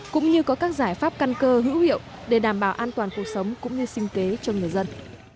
cũng như có các giải pháp căn cơ hữu hiệu để đảm bảo an toàn cuộc sống cũng như sinh kế cho người dân